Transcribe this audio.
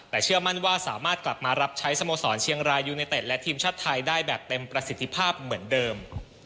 แต่เชื่อมั่นว่าสามารถกลับมารับใช้สโมสรเชียงรายยูเนเต็ดและทีมชาติไทยได้แบบเต็มประสิทธิภาพเหมือนเดิม